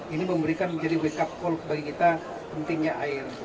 ini memberikan menjadi wake up call bagi kita pentingnya air